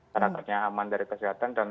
karena tentunya aman dari kesehatan dan ekonomi